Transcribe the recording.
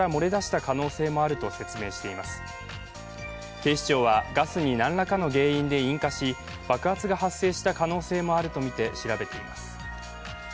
警視庁はガスに何らかの原因で引火し、爆発が発生した可能性もあるとみて、調べています。